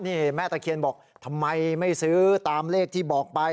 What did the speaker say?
นี่แม่ตะเคียนบอกทำไมไม่ซื้อตามเลขที่บอกไป